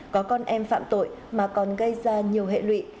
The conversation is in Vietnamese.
có con em phạm tội mà còn gây ra nhiều hệ lụy